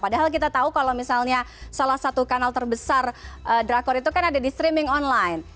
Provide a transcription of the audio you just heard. padahal kita tahu kalau misalnya salah satu kanal terbesar drakor itu kan ada di streaming online